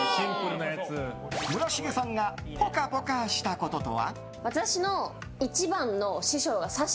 村重さんがぽかぽかしたこととは？